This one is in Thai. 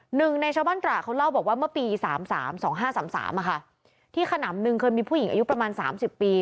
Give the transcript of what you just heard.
หนึ่งในชาวบ้านตราเขาเล่าว่าเมื่อปี๓๓ที่ขนำหนึ่งเคยมีผู้หญิงอายุประมาณ๓๐ปี